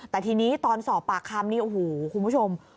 แต่ทีนี้ตอนสอบปากคำนี่โอ้โหคุณผู้ชม